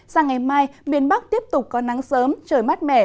sang ngày mai miền bắc tiếp tục có nắng sớm trời mát mẻ